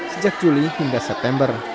sejak juli hingga september